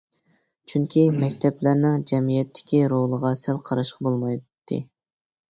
چۈنكى مەكتەپلەرنىڭ جەمئىيەتتىكى رولىغا سەل قاراشقا بولمايتتى.